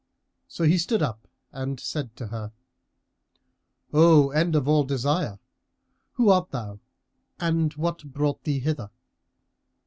So he stood up and said to her, "O end of all desire, who art thou and who brought thee hither?"